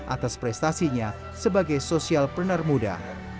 atas prestasinya sebagai sosialpreneur muda